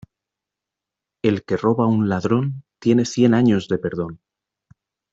El que roba a un ladrón tiene cien años de perdón.